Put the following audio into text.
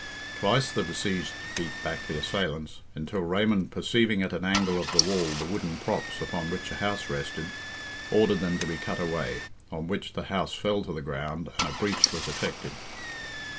Twice the besieged beat back the assailants, until Raymond perceiving at an angle of the wall the wooden props upon which a house rested, ordered them to be cut away, on which the house fell to the ground, and a breach was effected.